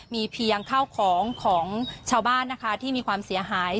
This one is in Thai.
มีเพียงข้าวของของชาวบ้านนะคะที่มีความเสียหาย